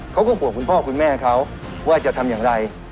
เขาก็ห่วงคุณพ่อคุณแม่เขาว่าจะทำอย่างไร